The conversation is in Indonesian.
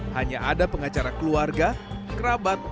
hanya ada pengacara keluarga kerabat